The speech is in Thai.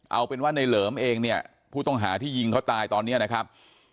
เอาเป็นว่าในเหลิมเองเนี่ยผู้ต้องหาที่ยิงเขาตายตอนนี้นะครับ